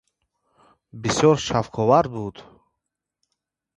Бисёр шавқовар буд!